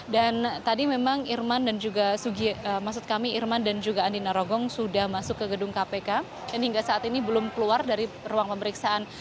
dan tadi memang irman dan juga andi narogong sudah masuk ke gedung kpk dan hingga saat ini belum keluar dari ruang pemeriksaan